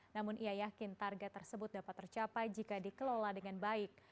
namun ia yakin target tersebut dapat tercapai jika dikelola dengan baik